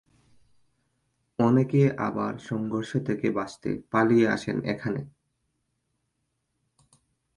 অনেকে আবার সংঘর্ষ থেকে বাঁচতে পালিয়ে আসেন এখানে।